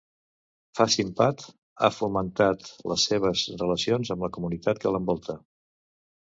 FaSinPat ha fomentat les seves relacions amb la comunitat que l'envolta.